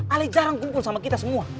ali jarang kumpul sama kita semua